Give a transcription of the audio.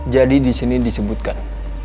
jadi disini disebutkan